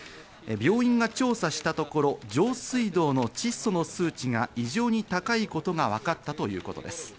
病院が調査したところ、上水道の窒素の数値が異常に高いことがわかったということです。